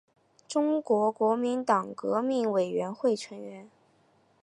中国国民党革命委员会成员。